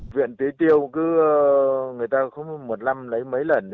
huyện tế tiêu cứ người ta không một năm lấy mấy lần